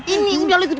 ini udah lo ikut gua